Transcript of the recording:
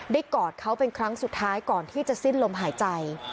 กอดเขาเป็นครั้งสุดท้ายก่อนที่จะสิ้นลมหายใจ